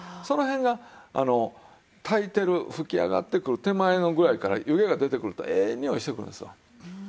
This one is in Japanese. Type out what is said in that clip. その辺が炊いてる噴き上がってくる手前のぐらいから湯気が出てくるとええ匂いしてくるんですわ。